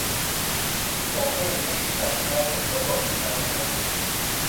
Oxori cegit̆aǩima do dogoxunare ya utzu.